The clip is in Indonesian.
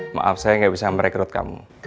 maaf saya nggak bisa merekrut kamu